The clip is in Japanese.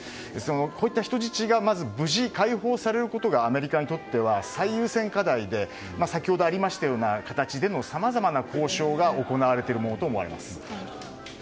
こういった人質が無事解放されることがアメリカにとっては最優先課題で先ほどありましたような形でのさまざまな交渉が行われているものとみられます。